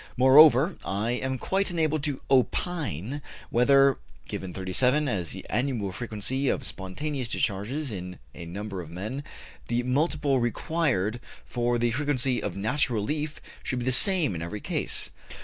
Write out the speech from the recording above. Moreover, I am quite unable to opine whether, given 37 as the annual frequency of spontaneous discharges in a number of men, the multiple required for the frequency of natural relief should be the same in every case.